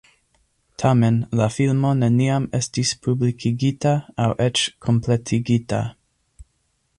Tamen, la filmo neniam estis publikigita aŭ eĉ kompletigita.